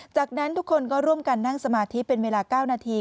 จากนั้นทุกคนก็ร่วมกันนั่งสมาธิเป็นเวลา๙นาที